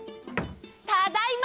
ただいま！